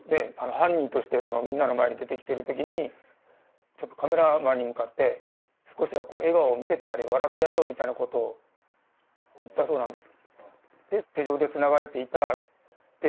犯人としてそのみんなの前に出てきてる時にちょっとカメラマンに向かって少しはこう笑顔を見せてやれよ笑ってやれよみたいなことを言ったそうなんです。